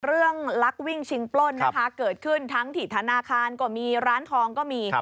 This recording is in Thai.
ลักวิ่งชิงปล้นนะคะเกิดขึ้นทั้งที่ธนาคารก็มีร้านทองก็มี